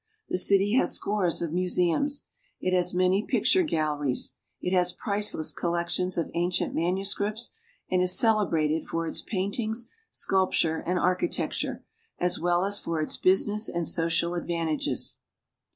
The city has scores of museums. It has many picture galleries; it has priceless collections of ancient manuscripts, and is celebrated for its paintings, sculpture, and architecture, as well as for its business and social advantages.